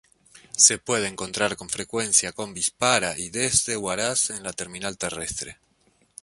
Se puede encontrar con frecuencia combis para y desde Huaraz en la terminal terrestre.